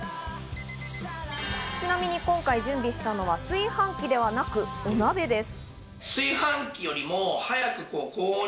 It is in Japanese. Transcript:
ちなみに今回準備したのは炊飯器ではなくお鍋です。